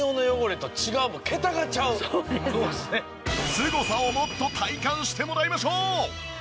すごさをもっと体感してもらいましょう！